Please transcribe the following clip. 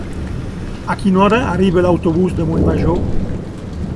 A quina hora arriba l'autobús de Montmajor?